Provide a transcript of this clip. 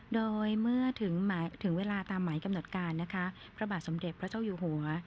โดยเมื่อถึงเวลาตามหมายกำหนดการนะคะพระบาทสมเด็จพระเจ้าอยู่หัว